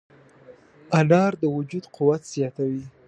انار د وجود قوت زیاتوي.